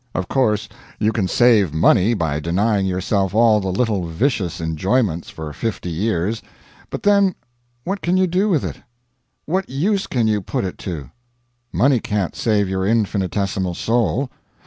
Of course you can save money by denying yourself all the little vicious enjoyments for fifty years; but then what can you do with it? What use can you put it to? Money can't save your infinitesimal soul.